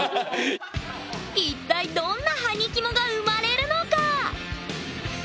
一体どんなはにキモが生まれるのか？